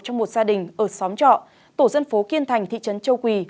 trong một gia đình ở xóm trọ tổ dân phố kiên thành thị trấn châu quỳ